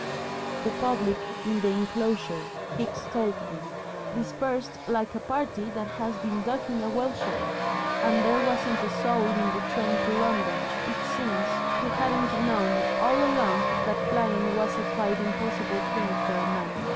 The public in the enclosure, Hicks told me, dispersed "like a party that has been ducking a welsher," and there wasn't a soul in the train to London, it seems, who hadn't known all along that flying was a quite impossible thing for man.